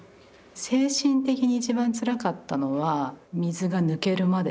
精神的に一番つらかったのは水が抜けるまでですかね。